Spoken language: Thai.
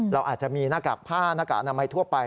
เราอาจจะมีหน้ากากผ้าหน้ากากอนามัยทั่วไป